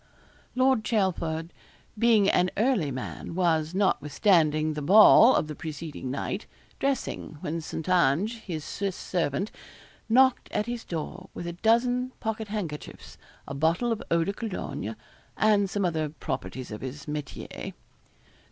Lord Chelford being an early man, was, notwithstanding the ball of the preceding night, dressing, when St. Ange, his Swiss servant, knocked at his door with a dozen pockethandkerchiefs, a bottle of eau de cologne, and some other properties of his métier. St.